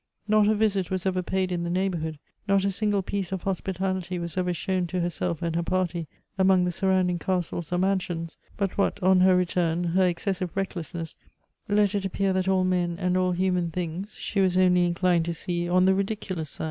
Not a visit was ever paid in the neighborhood, not a single piece of hospitality was ever shown to her self and her party among the surrounding castles or man sions, but what on her return her excessive recklessness let it appear that all men and all human things she was only inclined to see on the ridiculous side.